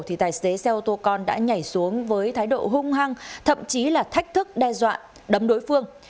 thì tài xế xe ô tô con đã nhảy xuống với thái độ hung hăng thậm chí là thách thức đe dọa đấm đối phương